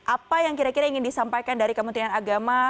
apa yang kira kira ingin disampaikan dari kementerian agama